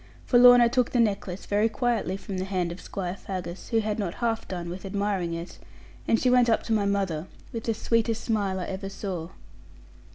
For Lorna took the necklace very quietly from the hands of Squire Faggus, who had not half done with admiring it, and she went up to my mother with the sweetest smile I ever saw.